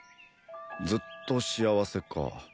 ずっと幸せかあ